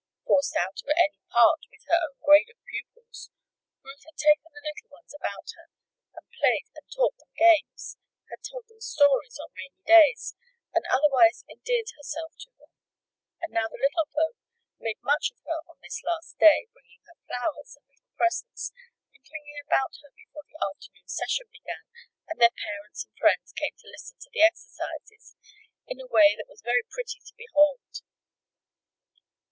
Forced out of any part with her own grade of pupils, Ruth had taken the little ones about her and played and taught them games, had told them stories on rainy days, and otherwise endeared herself to them. And now the little folk made much of her on this last day, bringing her flowers, and little presents, and clinging about her before the afternoon session began and their parents and friends came to listen to the exercises, in a way that was very pretty to behold.